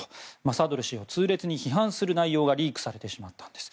サドル師を痛烈に批判する内容がリークされてしまったんです。